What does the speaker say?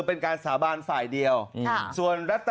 เป็นการสาบานฝ่ายเดียว